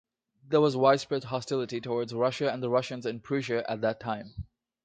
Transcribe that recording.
There was widespread hostility towards Russia and the Russians in Prussia at that time.